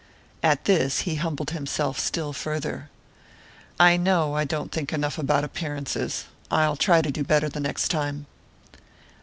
At this he humbled himself still farther. "I know I don't think enough about appearances I'll try to do better the next time."